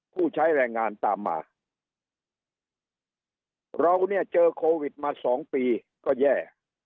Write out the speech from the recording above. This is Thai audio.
ผู้ใช้แรงงานตามมาเราเนี่ยเจอโควิดมาสองปีก็แย่